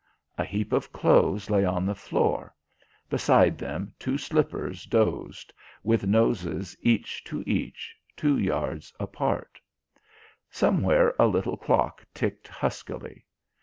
A heap of clothes lay on the floor; beside them two slippers dozed, with noses each to each, two yards apart. Somewhere a little clock ticked huskily.